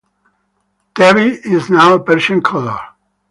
Tabby is not a Persian color.